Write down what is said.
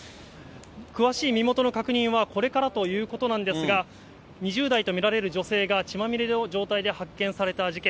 詳しい身元の確認はこれからということなんですが、２０代と見られる女性が血まみれの状態で発見された事件。